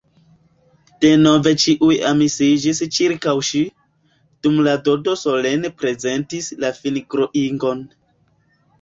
Denove ĉiuj amasiĝis ĉirkaŭ ŝi, dum la Dodo solene prezentis la fingroingon.